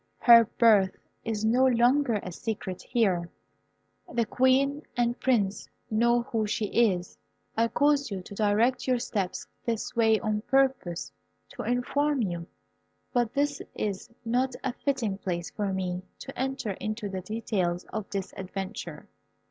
Her birth is no longer a secret here. The Queen and Prince know who she is. I caused you to direct your steps this way on purpose to inform you; but this is not a fitting place for me to enter into the details of this adventure.